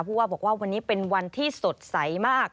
พูดว่าวันนี้เป็นวันที่สดใสมาก